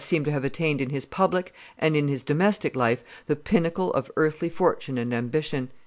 seemed to have attained in his public and in his domestic life the pinnacle of earthly fortune and ambition.